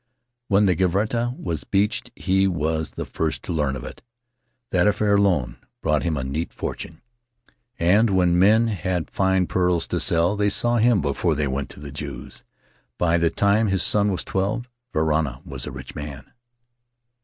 When the Gaviota was beached he was the first to learn of it — that affair alone brought him a neat fortune; and when men had fine pearls to sell they saw him before they went to the Jews. By the time his son was twelve Varana was a rich man.